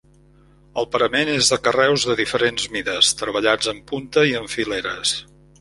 El parament és de carreus de diferents mides, treballats en punta i en fileres.